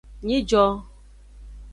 Nyijo.